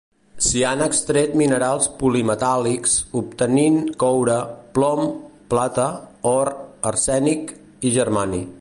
S'hi han extret minerals polimetàl·lics obtenint coure, plom, plata, or, arsènic i germani.